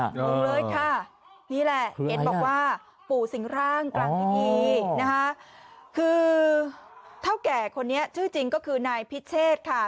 ใช่ค่ะนี่แหละเอ็ดบอกว่าปู่สิงหร่างตางค์มีคือเท่าแก่คนนี้ชื่อจริงก็คือนายพิเชศค่ะ